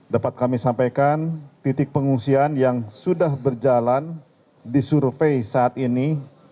dapat kami sampaikan titik pengungsian yang sudah berjalan disurvey saat ini